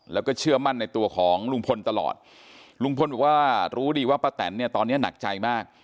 แล้วก็เชื่อมั่นในตัวของลุงพลตลอดลุงพลบอกว่ารู้ดีว่าป้าแตนเนี่ยตอนนี้หนักใจมาก